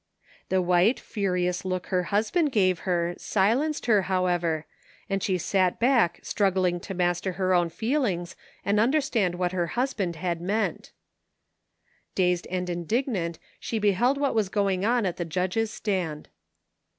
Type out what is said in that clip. The white, fiu^ious look her husband gave her silenced her, however, and she sat back struggling to master her own feelings and understand what her hus band had meant Dazed and indignant she beheld what was going on at the judges' stand.